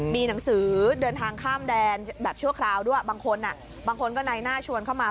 มีหนังสือเดินทางข้ามแดนแบบชั่วคราวด้วยบางคนบางคนก็ในหน้าชวนเข้ามา